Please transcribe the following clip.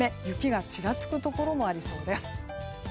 雪がちらつくところもありそうです。